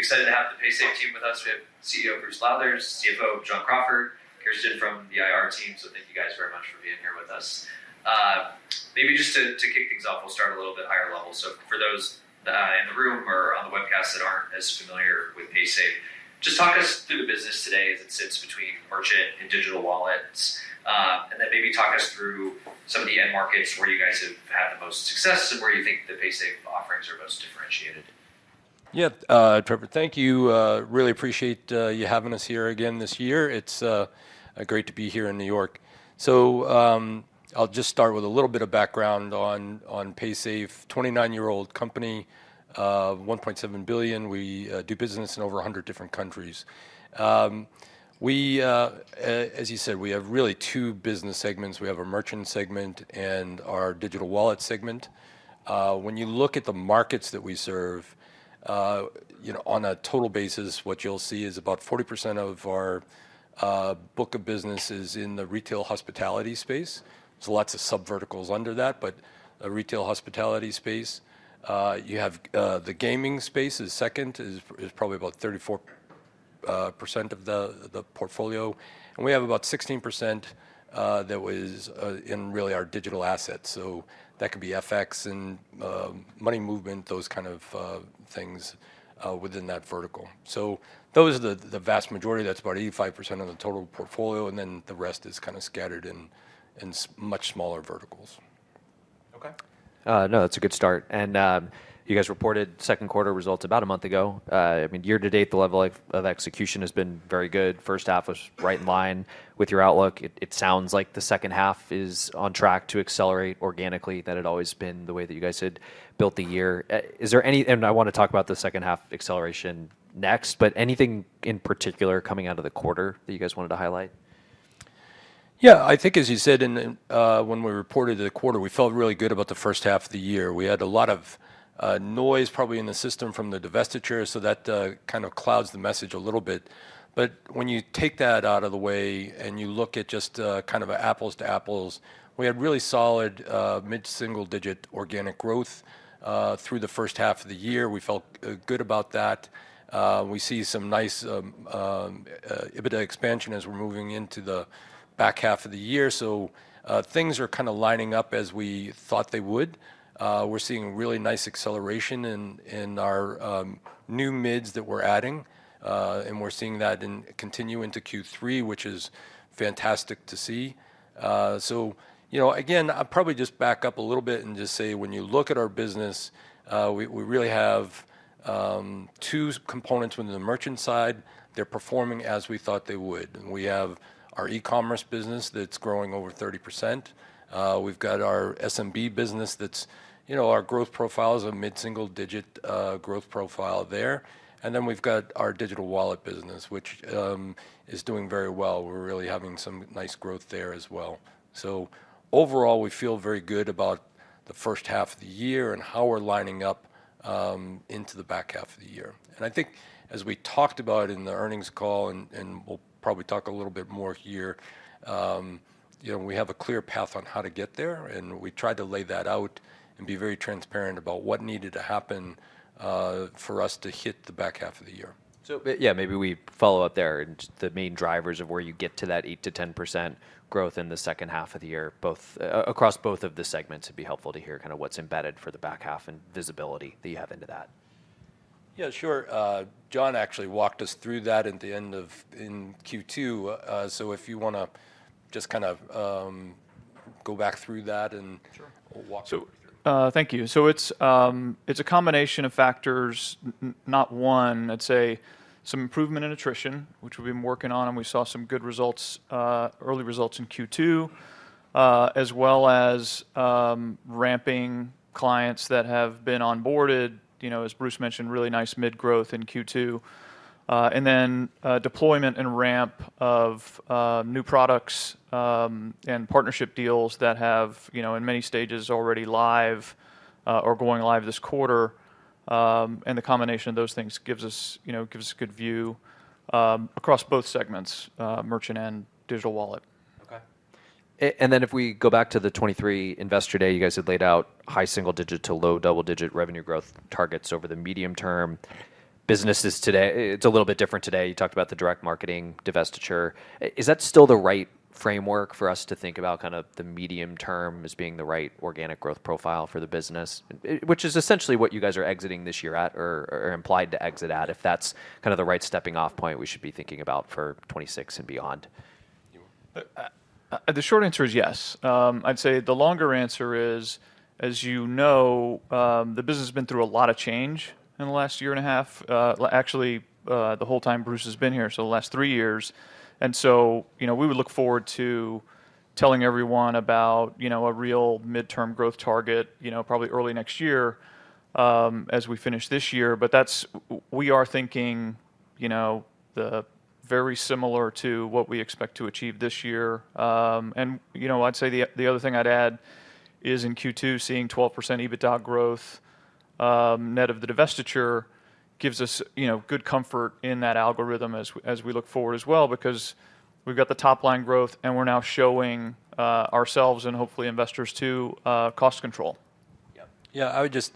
I'm excited to have the Paysafe team with us. We have CEO Bruce Lowthers, CFO John Crawford, Kirsten from the IR team. So thank you guys very much for being here with us. Maybe just to kick things off, we'll start a little bit higher level. So for those in the room or on the webcast that aren't as familiar with Paysafe, just talk us through the business today as it sits between merchant and digital wallets. And then maybe talk us through some of the end markets, where you guys have had the most success and where you think the Paysafe offerings are most differentiated. Yeah, Trevor, thank you. Really appreciate you having us here again this year. It's great to be here in New York. So, I'll just start with a little bit of background on Paysafe, twenty-nine-year-old company, $1.7 billion. We do business in over 100 different countries. As you said, we have really two business segments. We have a merchant segment and our digital wallet segment. When you look at the markets that we serve, you know, on a total basis, what you'll see is about 40% of our book of business is in the retail hospitality space, so lots of sub-verticals under that, but retail hospitality space. You have the gaming space is second, probably about 34% of the portfolio, and we have about 16% that was in really our digital assets. So that could be FX and money movement, those kind of things within that vertical. So those are the vast majority. That's about 85% of the total portfolio, and then the rest is kinda scattered in much smaller verticals. Okay. No, that's a good start, and you guys reported second quarter results about a month ago. I mean, year to date, the level of execution has been very good. First half was right in line with your outlook. It sounds like the second half is on track to accelerate organically. That had always been the way that you guys had built the year. Is there any... and I wanna talk about the second half acceleration next, but anything in particular coming out of the quarter that you guys wanted to highlight? Yeah, I think as you said, and, when we reported the quarter, we felt really good about the first half of the year. We had a lot of, noise probably in the system from the divestiture, so that, kind of clouds the message a little bit. But when you take that out of the way, and you look at just, kind of a apples to apples, we had really solid, mid-single-digit organic growth, through the first half of the year. We felt, good about that. We see some nice, EBITDA expansion as we're moving into the back half of the year. So, things are kinda lining up as we thought they would. We're seeing really nice acceleration in our new MIDs that we're adding, and we're seeing that continue into Q3, which is fantastic to see. So, you know, again, I'd probably just back up a little bit and just say, when you look at our business, we really have two components within the merchant side. They're performing as we thought they would. We have our e-commerce business that's growing over 30%. We've got our SMB business that's... You know, our growth profile is a mid-single-digit growth profile there. And then we've got our digital wallet business, which is doing very well. We're really having some nice growth there as well. So overall, we feel very good about the first half of the year and how we're lining up into the back half of the year. I think as we talked about in the earnings call, and we'll probably talk a little bit more here, you know, we have a clear path on how to get there, and we tried to lay that out and be very transparent about what needed to happen for us to hit the back half of the year. Maybe we follow up there, and the main drivers of where you get to that 8%-10% growth in the second half of the year, both across both of the segments, it'd be helpful to hear kinda what's embedded for the back half and visibility that you have into that. Yeah, sure. John actually walked us through that at the end of Q2. So if you wanna just kind of go back through that and- Sure... we'll walk through. Thank you. So it's a combination of factors, not one. I'd say some improvement in attrition, which we've been working on, and we saw some good results, early results in Q2, as well as ramping clients that have been onboarded. You know, as Bruce mentioned, really nice MID growth in Q2. And then, deployment and ramp of new products, and partnership deals that have, you know, in many stages already live, or going live this quarter. And the combination of those things gives us, you know, gives us a good view across both segments, merchant and digital wallet. Okay. And then if we go back to the 2023 Investor Day, you guys had laid out high single digit to low double-digit revenue growth targets over the medium-term businesses today. It's a little bit different today. You talked about the direct marketing divestiture. Is that still the right framework for us to think about kind of the medium term as being the right organic growth profile for the business? Which is essentially what you guys are exiting this year at or, or implied to exit at, if that's kind of the right stepping-off point we should be thinking about for 2026 and beyond. You- The short answer is yes. I'd say the longer answer is, as you know, the business has been through a lot of change in the last year and a half, actually, the whole time Bruce has been here, so the last three years. And so, you know, we would look forward to telling everyone about, you know, a real midterm growth target, you know, probably early next year, as we finish this year. But that's... We are thinking, you know, the very similar to what we expect to achieve this year. You know, I'd say the other thing I'd add is in Q2, seeing 12% EBITDA growth, net of the divestiture, gives us, you know, good comfort in that algorithm as we look forward as well, because we've got the top-line growth, and we're now showing ourselves and hopefully investors too, cost control.... Yeah, I would just,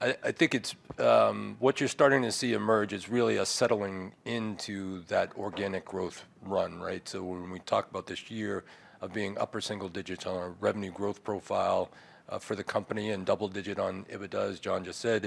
I think it's what you're starting to see emerge is really a settling into that organic growth run, right? So when we talk about this year of being upper single digits on our revenue growth profile for the company and double digit on EBITDA, as John just said,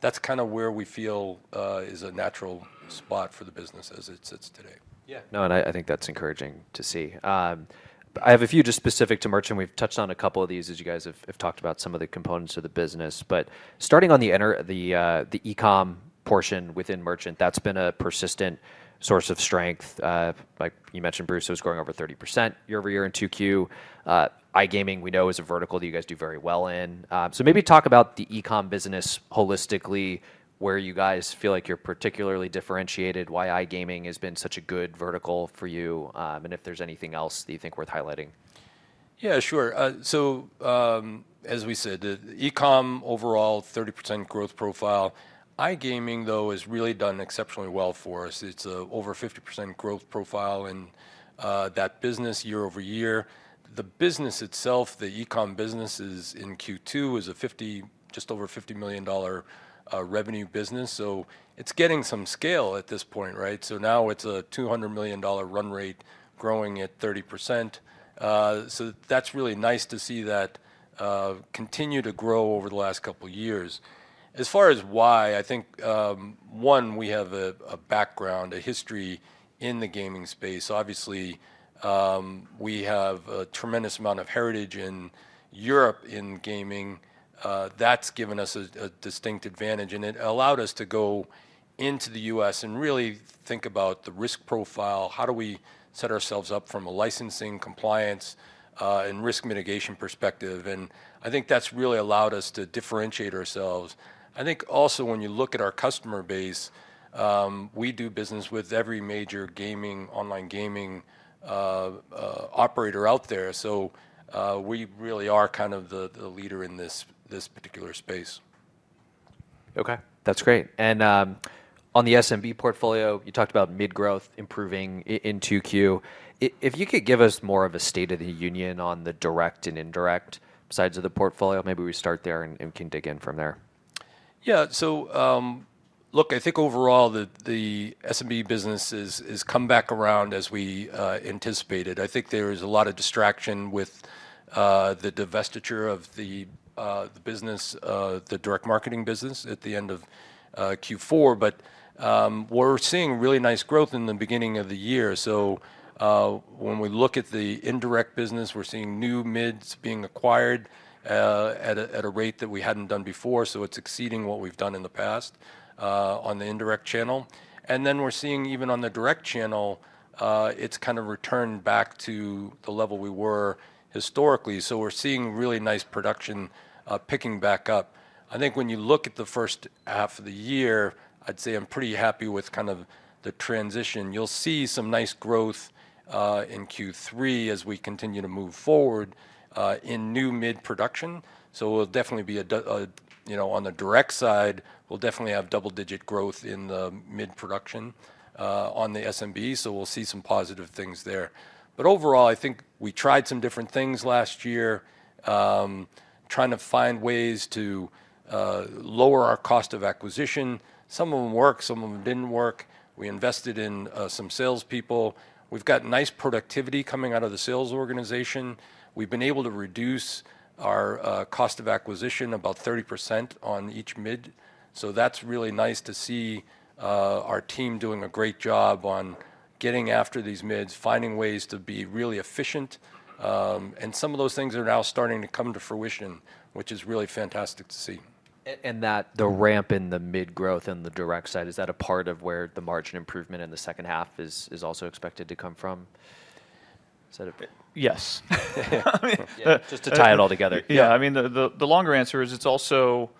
that's kind of where we feel is a natural spot for the business as it sits today. Yeah. No, and I, I think that's encouraging to see. I have a few just specific to merchant. We've touched on a couple of these as you guys have talked about some of the components of the business. But starting on the e-com portion within merchant, that's been a persistent source of strength. Like you mentioned, Bruce, it was growing over 30% year-over-year in 2Q. iGaming we know is a vertical that you guys do very well in. So maybe talk about the e-com business holistically, where you guys feel like you're particularly differentiated, why iGaming has been such a good vertical for you, and if there's anything else that you think worth highlighting. Yeah, sure. So, as we said, the e-com overall, 30% growth profile. iGaming, though, has really done exceptionally well for us. It's over 50% growth profile in that business year-over-year. The business itself, the e-com business is in Q2, is a 50, just over $50 million revenue business, so it's getting some scale at this point, right? So now it's a $200 million run rate growing at 30%. So that's really nice to see that continue to grow over the last couple of years. As far as why, I think one, we have a background, a history in the gaming space. Obviously, we have a tremendous amount of heritage in Europe in gaming. That's given us a distinct advantage, and it allowed us to go into the US and really think about the risk profile, how do we set ourselves up from a licensing, compliance, and risk mitigation perspective? And I think that's really allowed us to differentiate ourselves. I think also when you look at our customer base, we do business with every major gaming, online gaming, operator out there. So, we really are kind of the leader in this particular space. Okay, that's great. And on the SMB portfolio, you talked about MID growth improving in 2Q. If you could give us more of a state of the union on the direct and indirect sides of the portfolio, maybe we start there and can dig in from there. Yeah, so, look, I think overall, the SMB business is come back around as we anticipated. I think there is a lot of distraction with the divestiture of the direct marketing business at the end of Q4, but we're seeing really nice growth in the beginning of the year, so when we look at the indirect business, we're seeing new MIDs being acquired at a rate that we hadn't done before, so it's exceeding what we've done in the past on the indirect channel, and then we're seeing even on the direct channel, it's kind of returned back to the level we were historically, so we're seeing really nice production picking back up. I think when you look at the first half of the year, I'd say I'm pretty happy with kind of the transition. You'll see some nice growth in Q3 as we continue to move forward in new MID production. So we'll definitely, you know, on the direct side, we'll definitely have double-digit growth in the MID production on the SMB, so we'll see some positive things there. But overall, I think we tried some different things last year, trying to find ways to lower our cost of acquisition. Some of them worked, some of them didn't work. We invested in some salespeople. We've got nice productivity coming out of the sales organization. We've been able to reduce our cost of acquisition about 30% on each MID. So that's really nice to see, our team doing a great job on getting after these MIDs, finding ways to be really efficient. And some of those things are now starting to come to fruition, which is really fantastic to see. And that, the ramp in the MID growth and the direct side, is that a part of where the margin improvement in the second half is also expected to come from? Is that a- Yes. I mean- Just to tie it all together. Yeah. I mean, the longer answer is it's also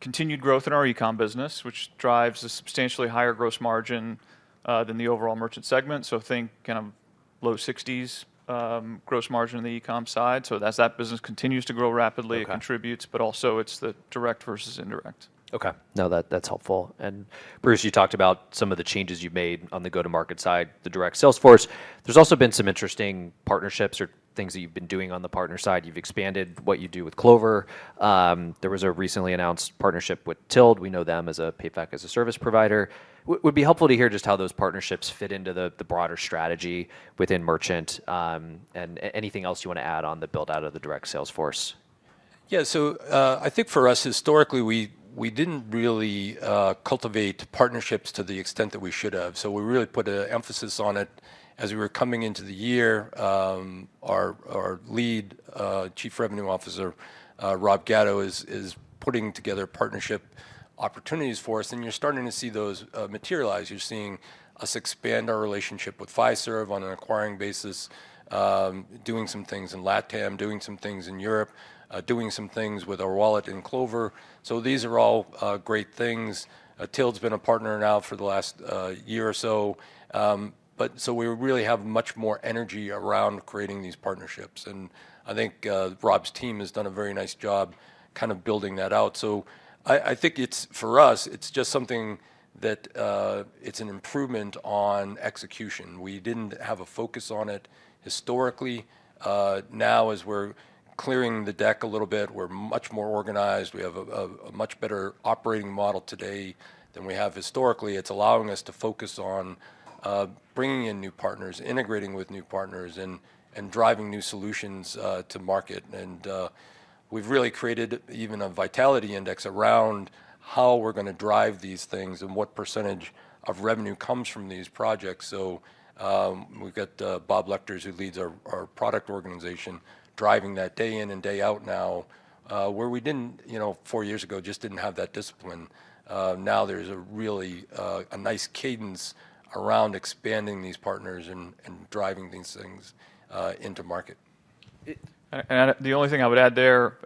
continued growth in our e-com business, which drives a substantially higher gross margin than the overall merchant segment. So think kind of low sixties gross margin on the e-com side. So as that business continues to grow rapidly- Okay... contributes, but also it's the direct versus indirect. Okay. No, that, that's helpful. And Bruce, you talked about some of the changes you've made on the go-to-market side, the direct sales force. There's also been some interesting partnerships or things that you've been doing on the partner side. You've expanded what you do with Clover. There was a recently announced partnership with Tilled. We know them as a PayFac, as a service provider. Would be helpful to hear just how those partnerships fit into the broader strategy within merchant, and anything else you want to add on the build-out of the direct sales force? Yeah. So, I think for us, historically, we didn't really cultivate partnerships to the extent that we should have, so we really put an emphasis on it as we were coming into the year. Our lead Chief Revenue Officer, Rob Gatto, is putting together partnership opportunities for us, and you're starting to see those materialize. You're seeing us expand our relationship with Fiserv on an acquiring basis, doing some things in LatAm, doing some things in Europe, doing some things with our wallet in Clover, so these are all great things. Tilled's been a partner now for the last year or so, but so we really have much more energy around creating these partnerships, and I think Rob's team has done a very nice job kind of building that out. I think it's, for us, it's just something that, it's an improvement on execution. We didn't have a focus on it historically. Now, as we're clearing the deck a little bit, we're much more organized. We have a much better operating model today than we have historically. It's allowing us to focus on bringing in new partners, integrating with new partners, and driving new solutions to market. And we've really created even a vitality index around how we're gonna drive these things and what percentage of revenue comes from these projects. So we've got Bob Legters, who leads our product organization, driving that day in and day out now, where we didn't... you know, four years ago, just didn't have that discipline. Now there's a really a nice cadence around expanding these partners and driving these things into market. It and the only thing I would add there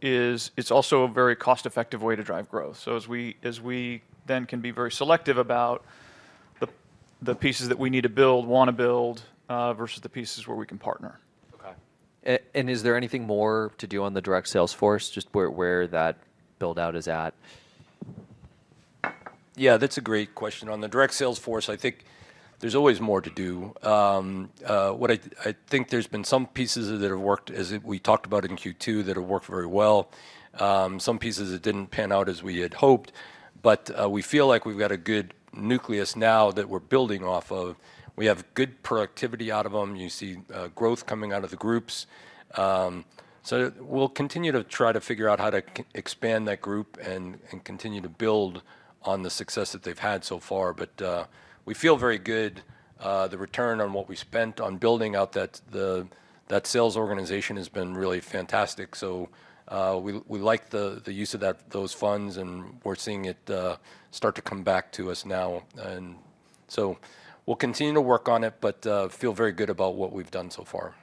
is it's also a very cost-effective way to drive growth so as we then can be very selective about the pieces that we need to build, wanna build versus the pieces where we can partner. Okay, and is there anything more to do on the direct sales force, just where that build-out is at? Yeah, that's a great question. On the direct sales force, I think there's always more to do. I think there's been some pieces that have worked, as we talked about in Q2, that have worked very well. Some pieces that didn't pan out as we had hoped, but, we feel like we've got a good nucleus now that we're building off of. We have good productivity out of them. You see, growth coming out of the groups. So we'll continue to try to figure out how to expand that group and continue to build on the success that they've had so far. But, we feel very good. The return on what we spent on building out that sales organization has been really fantastic. So, we like the use of those funds, and we're seeing it start to come back to us now. And so we'll continue to work on it, but feel very good about what we've done so far.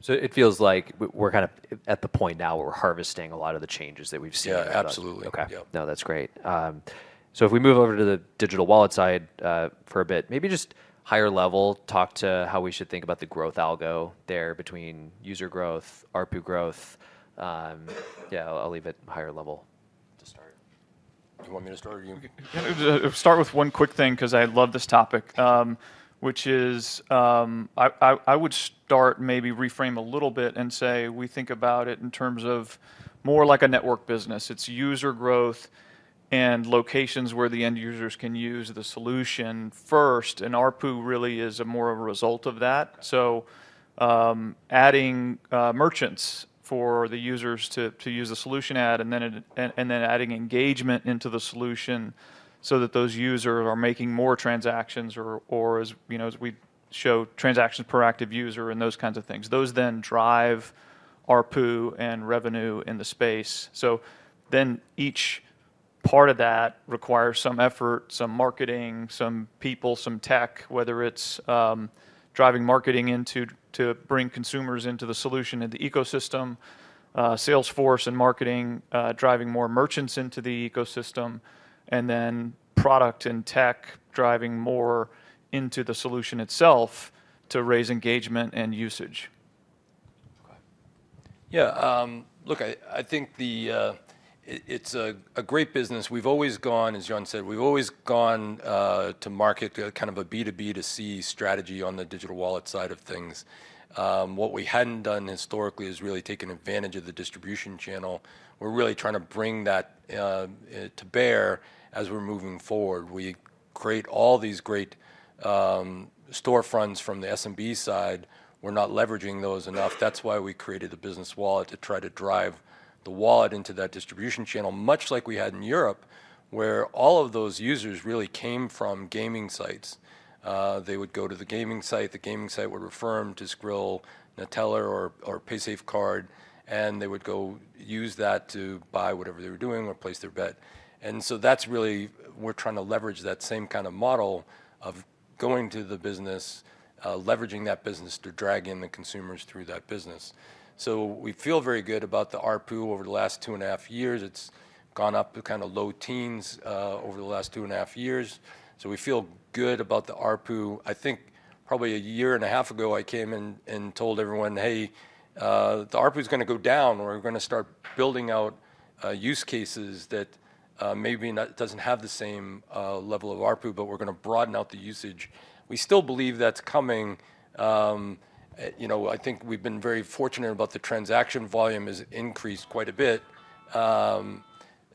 So it feels like we're kind of at the point now where we're harvesting a lot of the changes that we've seen- Yeah, absolutely. Okay. Yep. No, that's great. So if we move over to the digital wallet side, for a bit, maybe just higher level, talk to how we should think about the growth algo there between user growth, ARPU growth. Yeah, I'll leave it higher level to start. Do you want me to start, or you? Start with one quick thing, 'cause I love this topic, which is, I would start, maybe reframe a little bit and say: We think about it in terms of more like a network business. It's user growth and locations where the end users can use the solution first, and ARPU really is more of a result of that. So, adding merchants for the users to use the solution, and then adding engagement into the solution so that those users are making more transactions or as, you know, as we show transactions per active user and those kinds of things. Those then drive ARPU and revenue in the space. So then each part of that requires some effort, some marketing, some people, some tech, whether it's driving marketing to bring consumers into the solution and the ecosystem, sales force and marketing driving more merchants into the ecosystem, and then product and tech driving more into the solution itself to raise engagement and usage. Okay. Yeah, look, I think it's a great business. We've always gone, as John said, we've always gone to market, kind of a B2B2C strategy on the digital wallet side of things. What we hadn't done historically is really taken advantage of the distribution channel. We're really trying to bring that to bear as we're moving forward. We create all these great storefronts from the SMB side. We're not leveraging those enough. That's why we created the business wallet, to try to drive the wallet into that distribution channel, much like we had in Europe, where all of those users really came from gaming sites. They would go to the gaming site, the gaming site would refer them to Skrill, Neteller, or Paysafecard, and they would go use that to buy whatever they were doing or place their bet. That's really. We're trying to leverage that same kind of model of going to the business, leveraging that business to drag in the consumers through that business. We feel very good about the ARPU over the last two and a half years. It's gone up to kind of low teens over the last two and a half years, so we feel good about the ARPU. I think probably a year and a half ago, I came in and told everyone, "Hey, the ARPU is gonna go down, and we're gonna start building out use cases that maybe not doesn't have the same level of ARPU, but we're gonna broaden out the usage." We still believe that's coming. You know, I think we've been very fortunate about the transaction volume has increased quite a bit.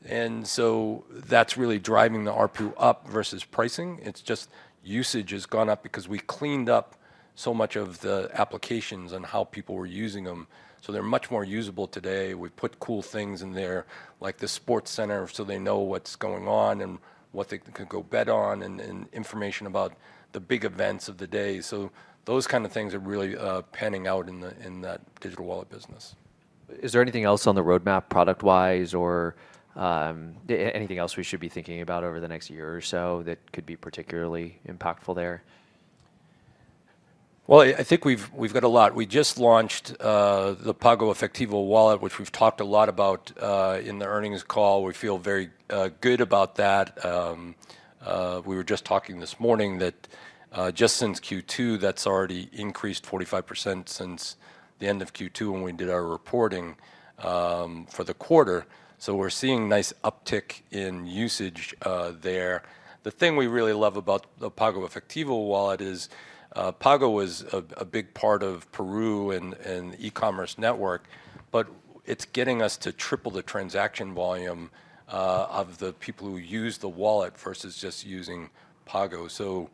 And so that's really driving the ARPU up versus pricing. It's just usage has gone up because we cleaned up so much of the applications and how people were using them, so they're much more usable today. We've put cool things in there, like the sports center, so they know what's going on and what they can go bet on, and information about the big events of the day. So, those kind of things are really panning out in that digital wallet business. Is there anything else on the roadmap product-wise, or, anything else we should be thinking about over the next year or so that could be particularly impactful there? Well, I think we've got a lot. We just launched the PagoEfectivo wallet, which we've talked a lot about in the earnings call. We feel very good about that. We were just talking this morning that just since Q2, that's already increased 45% since the end of Q2 when we did our reporting for the quarter. So we're seeing nice uptick in usage there. The thing we really love about the PagoEfectivo wallet is Pago was a big part of Peru and e-commerce network, but it's getting us to triple the transaction volume of the people who use the wallet versus just using Pago. So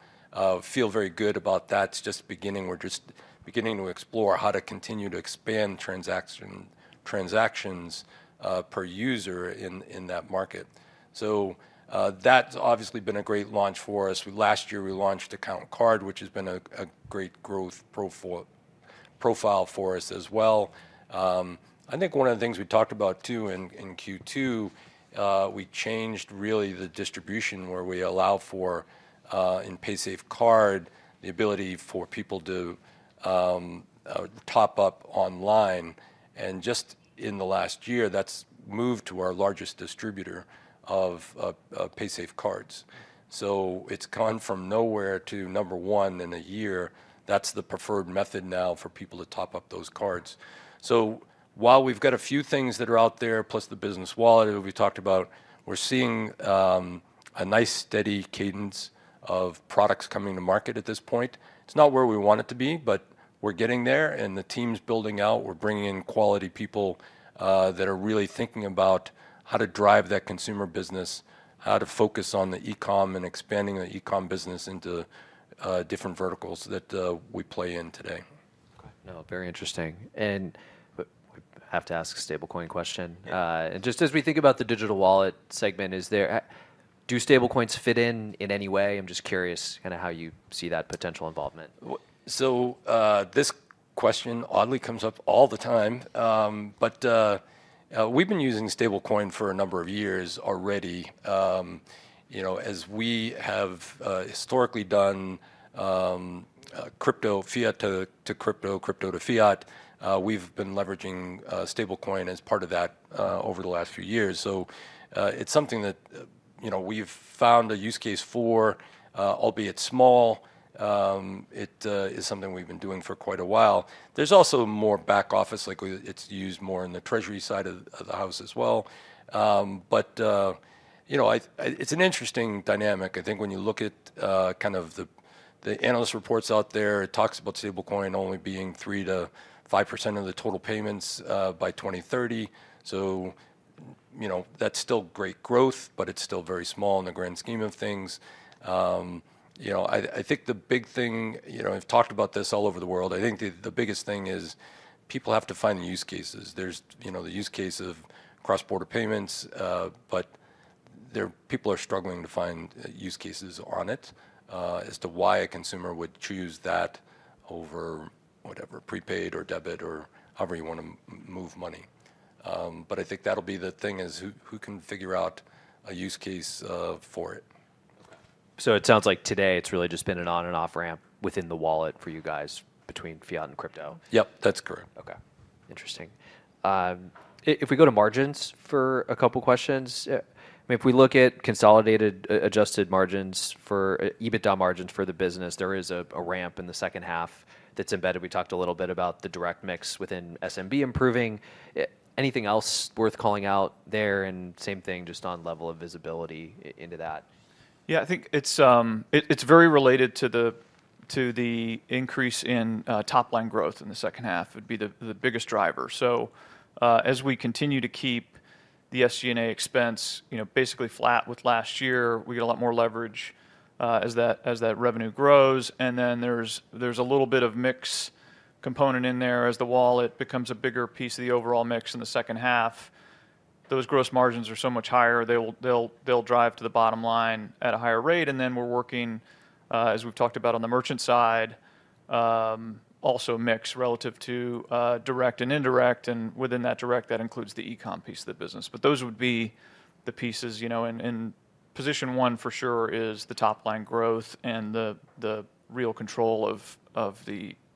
feel very good about that. It's just beginning. We're just beginning to explore how to continue to expand transactions per user in that market. So, that's obviously been a great launch for us. Last year we launched account card, which has been a great growth profile for us as well. I think one of the things we talked about, too, in Q2, we changed really the distribution, where we allow for in Paysafecard the ability for people to top up online. And just in the last year, that's moved to our largest distributor of Paysafecards. So it's gone from nowhere to number one in a year. That's the preferred method now for people to top up those cards. So while we've got a few things that are out there, plus the business wallet that we talked about, we're seeing a nice, steady cadence of products coming to market at this point. It's not where we want it to be, but we're getting there, and the team's building out. We're bringing in quality people that are really thinking about how to drive that consumer business, how to focus on the e-com and expanding the e-com business into different verticals that we play in today. Okay. No, very interesting. And I have to ask a stablecoin question. Yeah. And just as we think about the digital wallet segment, do stablecoins fit in any way? I'm just curious kind of how you see that potential involvement. So, this question oddly comes up all the time. But we've been using stablecoin for a number of years already. You know, as we have historically done, crypto fiat to crypto, crypto to fiat, we've been leveraging stablecoin as part of that over the last few years. So, it's something that you know, we've found a use case for, albeit small. It is something we've been doing for quite a while. There's also more back office, like it's used more in the treasury side of the house as well. But you know, I... It's an interesting dynamic. I think when you look at kind of the analyst reports out there, it talks about stablecoin only being 3%-5% of the total payments by 2030, so you know, that's still great growth, but it's still very small in the grand scheme of things. You know, I think the big thing. You know, I've talked about this all over the world. I think the biggest thing is people have to find the use cases. There's you know, the use case of cross-border payments, but people are struggling to find use cases on it as to why a consumer would choose that over whatever, prepaid or debit or however you wanna move money, but I think that'll be the thing, is who can figure out a use case for it? Okay, so it sounds like today it's really just been an on and off ramp within the wallet for you guys between fiat and crypto? Yep, that's correct. Okay. Interesting. If we go to margins for a couple questions, I mean, if we look at consolidated adjusted margins for EBITDA margins for the business, there is a ramp in the second half that's embedded. We talked a little bit about the direct mix within SMB improving. Anything else worth calling out there? And same thing, just on level of visibility into that. Yeah, I think it's very related to the increase in top line growth in the second half, would be the biggest driver. So, as we continue to keep the SG&A expense, you know, basically flat with last year, we get a lot more leverage as that revenue grows. And then there's a little bit of mix component in there as the wallet becomes a bigger piece of the overall mix in the second half. Those gross margins are so much higher, they'll drive to the bottom line at a higher rate. And then we're working, as we've talked about on the merchant side, also mix relative to direct and indirect, and within that direct, that includes the e-com piece of the business. Those would be the pieces, you know, and position one for sure is the top line growth and the real control of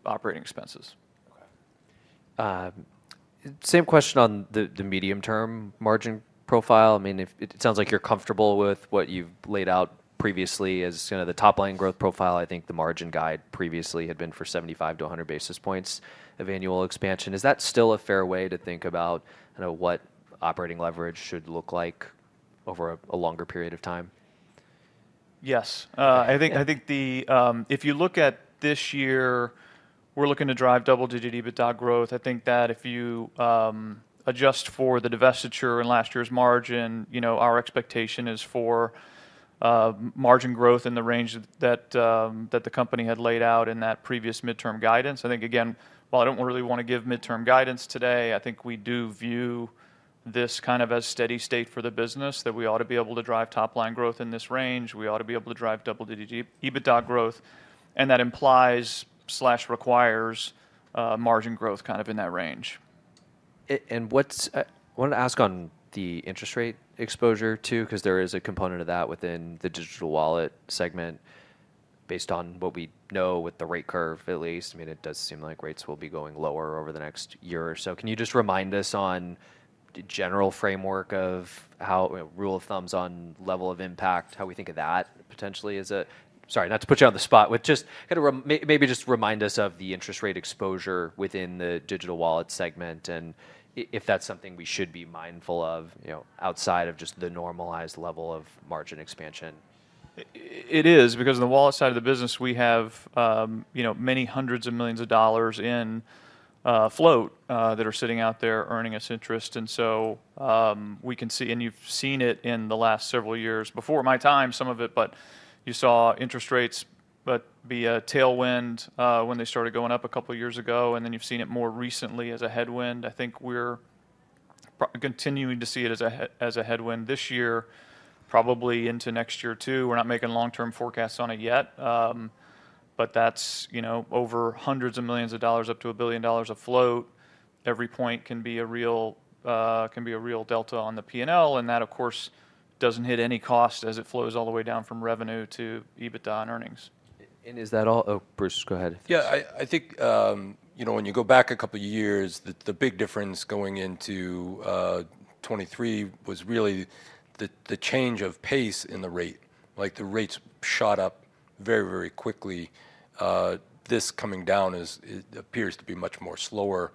operating expenses. Okay. Same question on the medium-term margin profile. I mean, if- it sounds like you're comfortable with what you've laid out previously as, you know, the top-line growth profile. I think the margin guide previously had been for 75-100 basis points of annual expansion. Is that still a fair way to think about, you know, what operating leverage should look like over a longer period of time? Yes. I think the, if you look at this year, we're looking to drive double-digit EBITDA growth. I think that if you adjust for the divestiture in last year's margin, you know, our expectation is for margin growth in the range that the company had laid out in that previous midterm guidance. I think again, while I don't really want to give midterm guidance today, I think we do view this kind of as steady state for the business, that we ought to be able to drive top line growth in this range. We ought to be able to drive double-digit EBITDA growth, and that implies/requires margin growth kind of in that range. I wanted to ask on the interest rate exposure, too, 'cause there is a component of that within the digital wallet segment, based on what we know with the rate curve, at least. I mean, it does seem like rates will be going lower over the next year or so. Can you just remind us on the general framework of how, you know, rules of thumb on level of impact, how we think of that potentially as a... Sorry, not to put you on the spot. Just remind us of the interest rate exposure within the digital wallet segment, and if that's something we should be mindful of, you know, outside of just the normalized level of margin expansion. It is, because the wallet side of the business, we have, you know, many hundreds of millions of dollars in float that are sitting out there earning us interest. And so, we can see, and you've seen it in the last several years, before my time, some of it, but you saw interest rates but be a tailwind when they started going up a couple of years ago, and then you've seen it more recently as a headwind. I think we're continuing to see it as a headwind this year, probably into next year, too. We're not making long-term forecasts on it yet, but that's, you know, over hundreds of millions of dollars, up to $1 billion of float. Every point can be a real delta on the P&L, and that, of course, doesn't hit any cost as it flows all the way down from revenue to EBITDA and earnings. And is that all? Oh, Bruce, go ahead. Yeah, I think, you know, when you go back a couple of years, the big difference going into 2023 was really the change of pace in the rate. Like, the rates shot up very, very quickly. This coming down is, it appears to be much more slower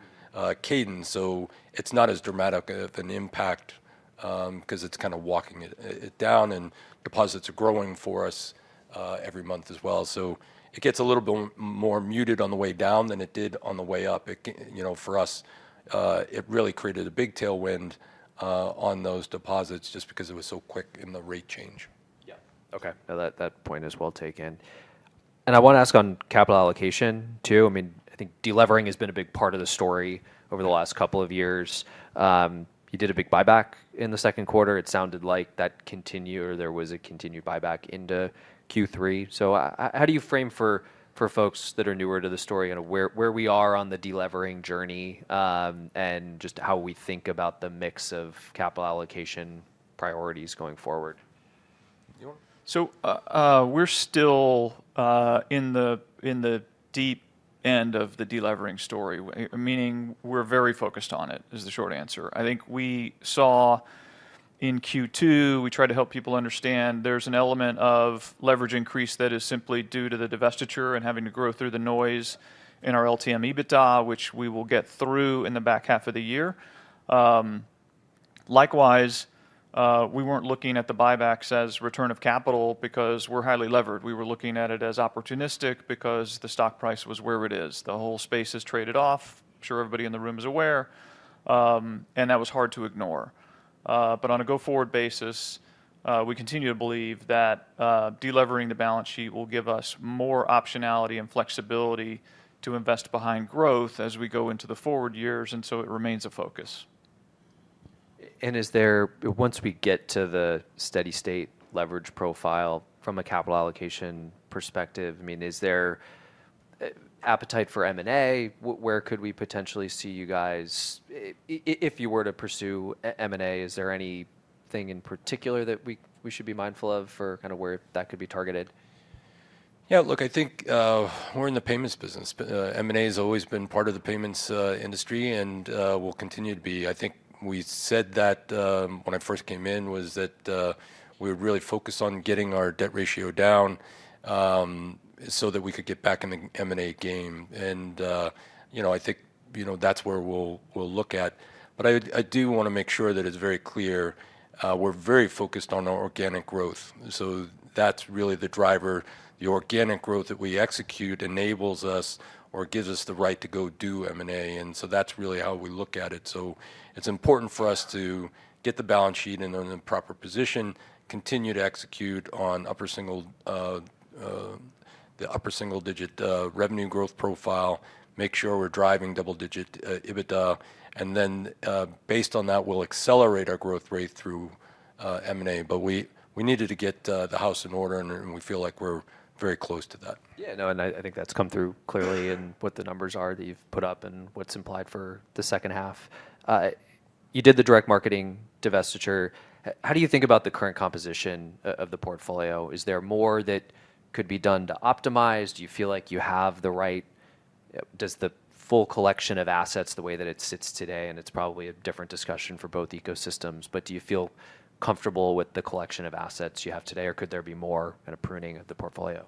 cadence, so it's not as dramatic of an impact, 'cause it's kind of walking it down, and deposits are growing for us every month as well. So it gets a little bit more muted on the way down than it did on the way up. It, you know, for us, it really created a big tailwind on those deposits just because it was so quick in the rate change. Yeah. Okay, no, that point is well taken. I want to ask on capital allocation, too. I mean, I think de-levering has been a big part of the story over the last couple of years. You did a big buyback in the second quarter. It sounded like that continued, or there was a continued buyback into Q3. So, how do you frame for folks that are newer to the story, kind of where we are on the de-levering journey, and just how we think about the mix of capital allocation priorities going forward? So, we're still in the deep end of the de-levering story, meaning we're very focused on it, is the short answer. I think we saw in Q2, we tried to help people understand there's an element of leverage increase that is simply due to the divestiture and having to grow through the noise in our LTM EBITDA, which we will get through in the back half of the year. Likewise, we weren't looking at the buybacks as return of capital because we're highly levered. We were looking at it as opportunistic because the stock price was where it is. The whole space has traded off, I'm sure everybody in the room is aware, and that was hard to ignore. But on a go-forward basis, we continue to believe that de-levering the balance sheet will give us more optionality and flexibility to invest behind growth as we go into the forward years, and so it remains a focus. Is there, once we get to the steady state leverage profile from a capital allocation perspective, I mean, is there appetite for M&A? Where could we potentially see you guys if you were to pursue M&A, is there anything in particular that we should be mindful of for kind of where that could be targeted? Yeah, look, I think we're in the payments business. M&A has always been part of the payments industry, and will continue to be. I think we said that when I first came in, was that we were really focused on getting our debt ratio down, so that we could get back in the M&A game, and you know, I think you know that's where we'll look at, but I do want to make sure that it's very clear, we're very focused on our organic growth, so that's really the driver. The organic growth that we execute enables us or gives us the right to go do M&A, and so that's really how we look at it. It's important for us to get the balance sheet in the proper position, continue to execute on upper single-digit revenue growth profile, make sure we're driving double-digit EBITDA, and then, based on that, we'll accelerate our growth rate through M&A. But we needed to get the house in order, and we feel like we're very close to that. Yeah, no, and I, I think that's come through clearly in what the numbers are that you've put up and what's implied for the second half. You did the direct marketing divestiture. How do you think about the current composition of the portfolio? Is there more that could be done to optimize? Do you feel like you have the right... Does the full collection of assets, the way that it sits today, and it's probably a different discussion for both ecosystems, but do you feel comfortable with the collection of assets you have today, or could there be more in a pruning of the portfolio?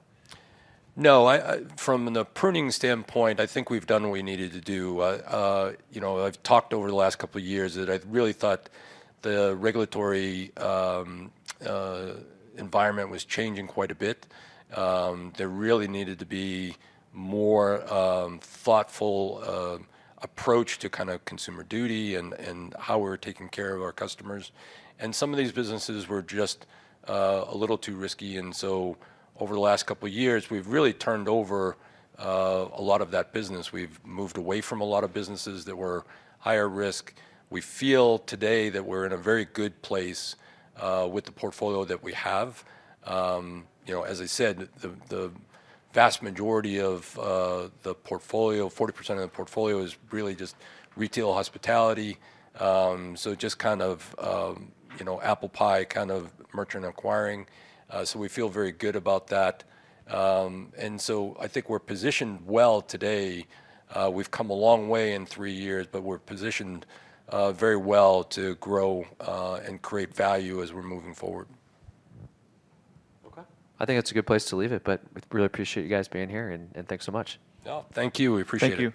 No, I, from the pruning standpoint, I think we've done what we needed to do. You know, I've talked over the last couple of years that I really thought the regulatory environment was changing quite a bit. There really needed to be more thoughtful approach to kind of consumer duty and how we're taking care of our customers. Some of these businesses were just a little too risky, and so over the last couple of years, we've really turned over a lot of that business. We've moved away from a lot of businesses that were higher risk. We feel today that we're in a very good place with the portfolio that we have. You know, as I said, the vast majority of the portfolio, 40% of the portfolio is really just retail hospitality. So just kind of, you know, apple pie kind of merchant acquiring. So we feel very good about that. And so I think we're positioned well today. We've come a long way in three years, but we're positioned very well to grow and create value as we're moving forward. Okay. I think that's a good place to leave it, but I really appreciate you guys being here, and, and thanks so much. Oh, thank you. We appreciate it. Thank you.